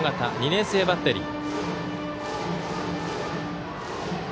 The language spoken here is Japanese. ２年生バッテリー。